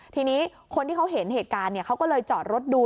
ทีนี้คนที่เขาเห็นเหตุการณ์เขาก็เลยจอดรถดู